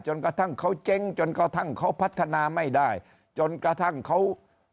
กระทั่งเขาเจ๊งจนกระทั่งเขาพัฒนาไม่ได้จนกระทั่งเขา